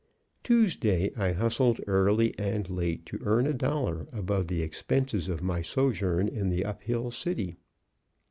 Tuesday I hustled early and late to earn a dollar above the expenses of my sojourn in the up hill city.